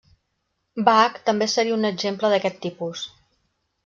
Bach també seria un exemple d'aquest tipus.